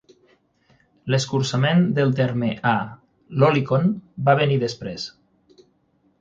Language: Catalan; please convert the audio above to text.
L'escurçament del terme a "lolicon" va venir després.